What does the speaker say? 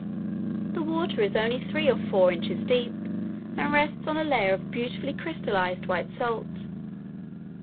The water is only three or four inches deep, and rests on a layer of beautifully crystallized, white salt.